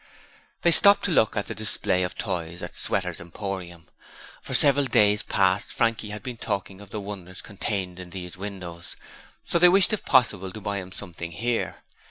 They stopped to look at the display of toys at Sweater's Emporium. For several days past Frankie had been talking of the wonders contained in these windows, so they wished if possible to buy him something here.